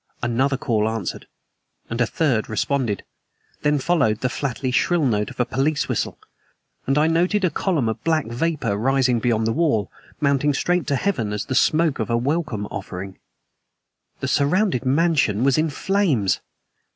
Another call answered, and a third responded. Then followed the flatly shrill note of a police whistle, and I noted a column of black vapor rising beyond the wall, mounting straight to heaven as the smoke of a welcome offering. The surrounded mansion was in flames!